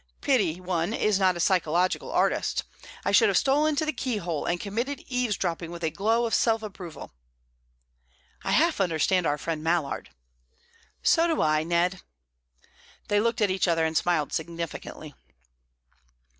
Pity one is not a psychological artist. I should have stolen to the keyhole and committed eavesdropping with a glow of self approval." "I half understand our friend Mallard." "So do I, Ned." They looked at each other and smiled significantly.